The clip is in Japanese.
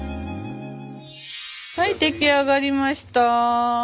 はい出来上がりました。